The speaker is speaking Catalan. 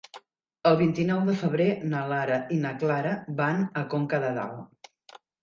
El vint-i-nou de febrer na Lara i na Clara van a Conca de Dalt.